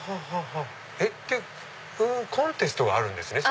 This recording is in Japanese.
えっコンテストがあるんですね